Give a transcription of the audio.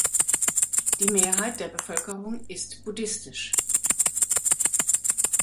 Die Mehrheit der Bevölkerung ist buddhistisch.